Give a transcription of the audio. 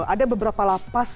ada beberapa lapas